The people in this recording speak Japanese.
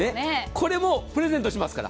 これもプレゼントしますから。